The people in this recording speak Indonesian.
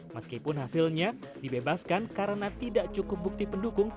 meskipun hasilnya dibebaskan karena tidak cukup bukti pendukung